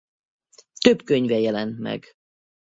Több könyve jelent meg.